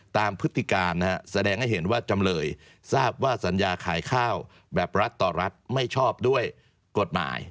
พฤติการนะฮะแสดงให้เห็นว่าจำเลยทราบว่าสัญญาขายข้าวแบบรัฐต่อรัฐไม่ชอบด้วยกฎหมาย